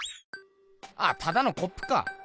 ただのコップか。